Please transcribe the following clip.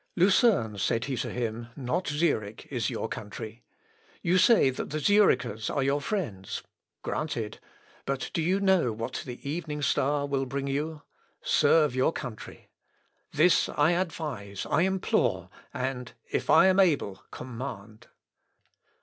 "Lucerne," said he to him, "not Zurich, is your country. You say that the Zurichers are your friends: granted; but do you know what the evening star will bring you? Serve your country. This I advise; I implore; and, if I am able, command."